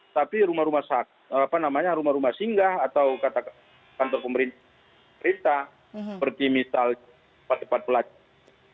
tapi rumah rumah singgah atau kantor pemerintah seperti misalnya tempat tempat pelajar